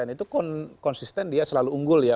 itu konsisten dia selalu unggul ya